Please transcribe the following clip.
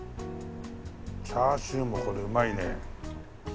チャーシューもこれうまいね。